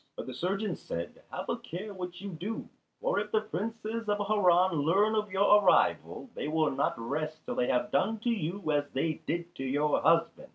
But the surgeon said, "Have a care what you do; for if the Princes of Harran learn of your arrival, they will not rest till they have done to you as they did to your husband.